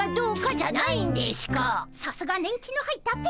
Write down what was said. さすが年季の入ったペア。